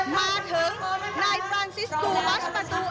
มาถึงนายฟรานซิสตูมัสประตู